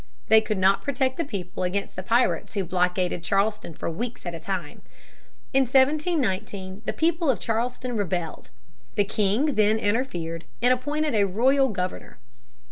They could not protect the people against the pirates who blockaded Charleston for weeks at a time. In 1719 the people of Charleston rebelled. The king then interfered, and appointed a royal governor.